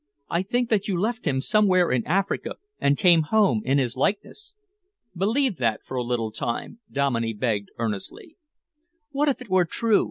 I think that you left him somewhere in Africa and came home in his likeness." "Believe that for a little time," Dominey begged earnestly. "What if it were true?"